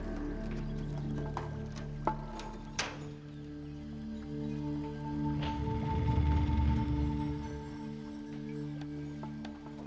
amang kebanggaan banget sih